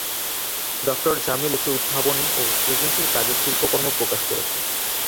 ডঃ জামিল একটি উদ্ভাবনী ও সৃজনশীল কাজের শিল্পকর্ম প্রকাশ করেছেন।